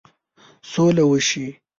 سوله وشي.